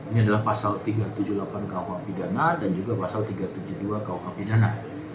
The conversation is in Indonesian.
ini adalah pasal tiga ratus tujuh puluh delapan kuh pidana dan juga pasal tiga ratus tujuh puluh dua kuh pidana